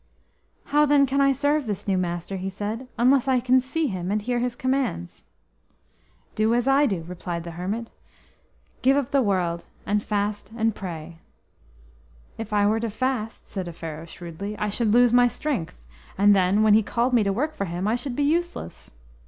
"How then can I serve this new Master?" he said, "unless I can see Him and hear His commands?" "Do as I do," replied the hermit. "Give up the world, and fast and pray." "If I were to fast," said Offero shrewdly, "I should lose my strength, and then, when He called me to work for Him, I should be useless."